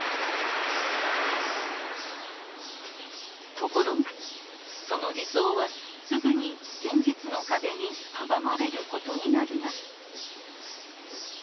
ところがその理想はすぐに現実の壁に阻まれることになります。